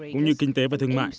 cũng như kinh tế và thương mại